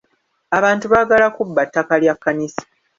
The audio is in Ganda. Abantu baagala kubba ttaka lya kkanisa.